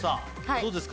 どうですか？